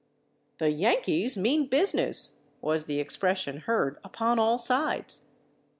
"The Yankees mean business" was the expression heard upon all sides.